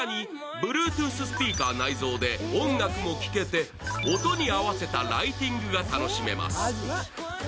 更にＢｌｕｅｔｏｏｔｈスピーカー内蔵で音楽も聴けて、音に合わせたライティングが楽しめます。